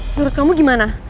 menurut kamu gimana